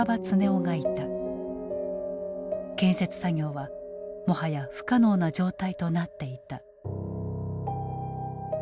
建設作業はもはや不可能な状態となっていた。